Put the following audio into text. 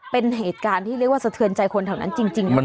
เป็นเหตุการณ์ที่เรียกว่าสะเทือนใจคนเท่านั้นจริงนะคุณชนิดหนึ่ง